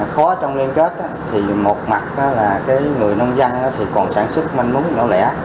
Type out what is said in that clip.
khó trong liên kết thì một mặt là người nông dân còn sản xuất manh múng nổ lẻ